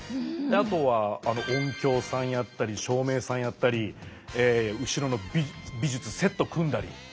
あとは音響さんやったり照明さんやったり後ろの美術セット組んだり。